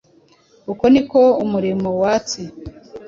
Uko ni ko umurimo watse